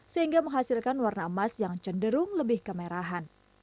sehingga menghasilkan warna emas yang cenderung lebih kemerahan